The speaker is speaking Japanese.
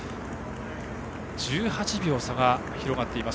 １８秒、差が広がっています。